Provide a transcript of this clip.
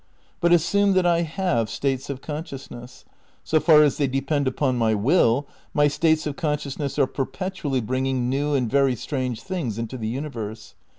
But assume that I have states of consciousness. So far as they depend upon my will my states of conscious ness are perpetually bringing new and very strange things into the universe.